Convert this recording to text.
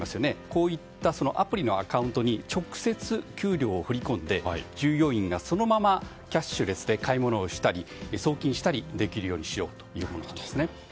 こういったアプリのアカウントに直接給料を振り込んで従業員がそのままキャッシュレスで買い物をしたり送金できるようにしようというものです。